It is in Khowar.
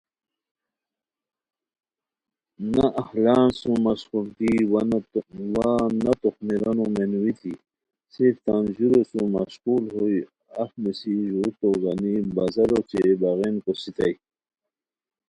نہ اہلان سُم مشقولگی وا نہ توخمیرانو مینوئیتی، صرف تان ژورو سُم مشقول ہوئے، اف نیسی ژور تو گنی بازارو اوچے باغین کوسیتائے